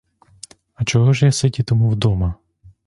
А чого ж я сидітиму дома?